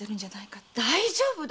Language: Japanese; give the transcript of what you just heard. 大丈夫。